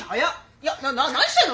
いや何してんの！？